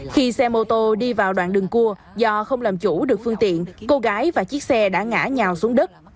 khi xe mô tô đi vào đoạn đường cua do không làm chủ được phương tiện cô gái và chiếc xe đã ngã nhào xuống đất